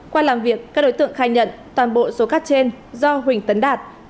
qua làm việc các đối tượng khai nhận toàn bộ số cát trên do huỳnh tấn đạt